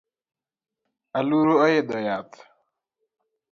Aluru oidho yath